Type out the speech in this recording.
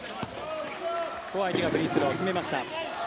ここは相手がフリースローを決めました。